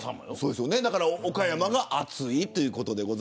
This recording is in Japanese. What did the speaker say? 岡山が熱いということで。